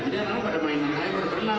jadi anak anak pada main air baru berenang